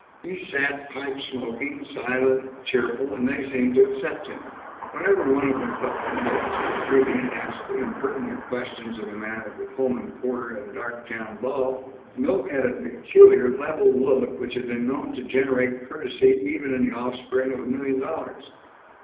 He sat pipe smoking, silent, cheerful, and they seemed to accept him. Whenever one of them felt that Milt was intruding, and asked impertinent questions in the manner of a Pullman porter at a Darktown ball, Milt had a peculiar level look which had been known to generate courtesy even in the offspring of a million dollars.